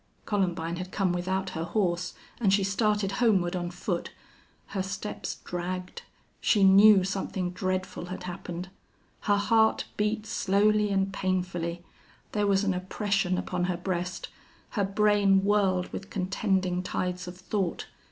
Columbine had come without her horse, and she started homeward on foot. Her steps dragged. She knew something dreadful had happened. Her heart beat slowly and painfully; there was an oppression upon her breast; her brain whirled with contending tides of thought.